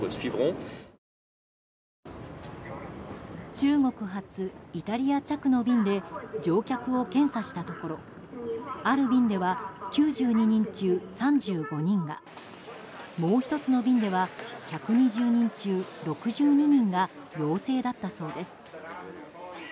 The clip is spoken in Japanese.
中国発イタリア着の便で乗客を検査したところある便では９２人中３５人がもう１つの便では、１２０人中６２人が陽性だったそうです。